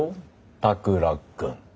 田倉君。